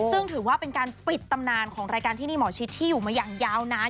ซึ่งถือว่าเป็นการปิดตำนานของรายการที่นี่หมอชิดที่อยู่มาอย่างยาวนาน